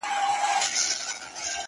o هغه به چيري اوسي باران اوري؛ ژلۍ اوري؛